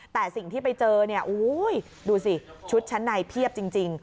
แต่สิ่งที่ไปเจอเนี่ยดูสิชุดชั้นในเพียบจริง